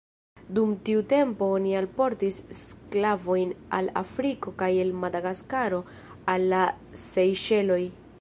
Dum tiu tempo, oni alportis sklavojn el Afriko kaj el Madagaskaro al la Sejŝeloj.